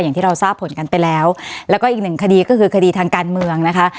อย่างที่เราทราบผลกันไปแล้วแล้วก็อีกหนึ่งคดีก็คือคดีทางการเมืองนะคะ